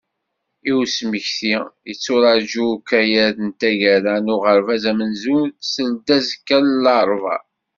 I usemekti, yetturaǧu ukayad n taggara n uɣerbaz amenzu seldazekka n larebɛa.